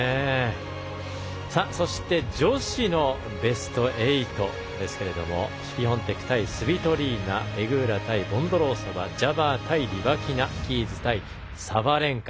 そして女子のベスト８ですがシフィオンテク対スビトリーナペグーラ対ボンドロウソバジャバー対リバキナキーズ対サバレンカ。